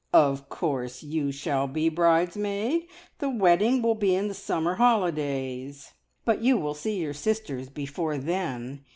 "Of course you shall be bridesmaid. The wedding will be in the summer holidays, but you will see your sisters before then.